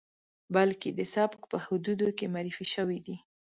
بلکې د سبک په حدودو کې معرفي شوی دی.